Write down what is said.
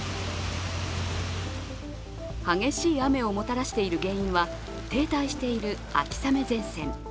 激しい雨をもたらしている原因は停滞している秋雨前線。